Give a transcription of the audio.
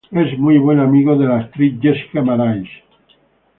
Es muy buen amigo de la actriz Jessica Marais.